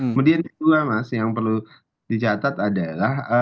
kemudian kedua mas yang perlu dicatat adalah